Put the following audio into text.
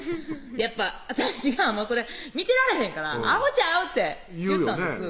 やっぱ私はそれ見てられへんから「アホちゃう？」って言ったんです